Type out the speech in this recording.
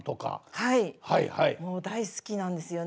はいもう大好きなんですよね。